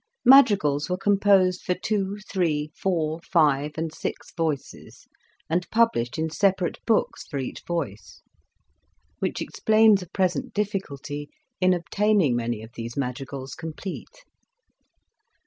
Madrigals were composed for two, three, four, five and six voices, and published in separate books for each voice, which explains a present difficulty in obtaining many of these madrigals complete.